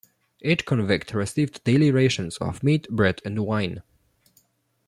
Each convict received daily rations of meat, bread, and wine.